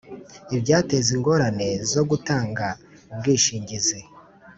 ibyateza ingorane zo gutanga ubwishingizi